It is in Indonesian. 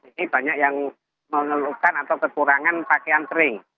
ini banyak yang mengeluhkan atau kekurangan pakaian kering